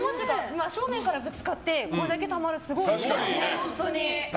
真正面からぶつかってこれだけたまるってすごいですね。